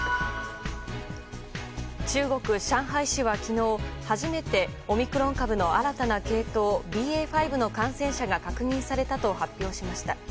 中国・上海市は昨日初めてオミクロン株の新たな系統ＢＡ．５の感染者が確認されたと発表しました。